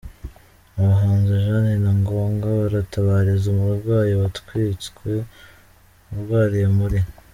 Abahanzi Jani na Ngoga baratabariza umurwayi watwitswe urwariye muri